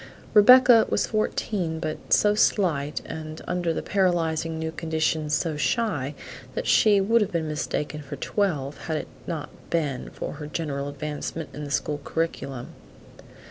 Rebecca was fourteen, but so slight, and under the paralyzing new conditions so shy, that she would have been mistaken for twelve had it not been for her general advancement in the school curriculum.